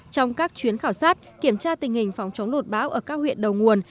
trong các chuyến khảo sát kiểm tra tình hình phóng chống lột bão ở các huyện đầu nguồn